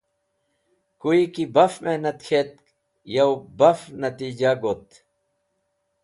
Koyiki Baf Mehnat K̃hetk, Yawep baf Natijah got